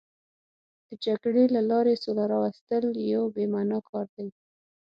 د جګړې له لارې سوله راوستل یو بې معنا کار دی.